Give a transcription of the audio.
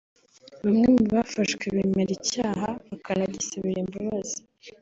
Bamwe mu bafashwe bemera icyaha bakanagisabira imbabazi